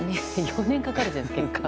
４年かかるじゃないですか。